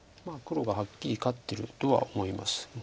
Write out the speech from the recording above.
まあ黒がはっきり勝ってるとは思います。